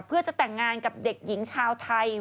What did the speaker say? เพื่อจะแต่งงานกับเด็กหญิงชาวไทย